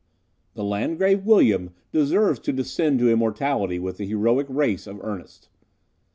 The Landgrave William deserves to descend to immortality with the heroic race of Ernest.